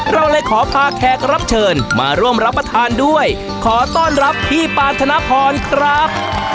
เราเลยขอพาแขกรับเชิญมาร่วมรับประทานด้วยขอต้อนรับพี่ปานธนพรครับ